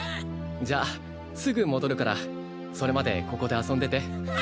じゃあすぐ戻るからそれまでここで遊んでて。